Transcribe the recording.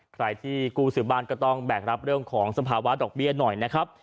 ใครที่กู้ซื้อบ้านก็ต้องแบกรับเรื่องของสภาวะดอกเบี้ยหน่อยนะครับ